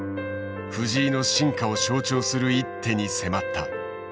藤井の進化を象徴する一手に迫った。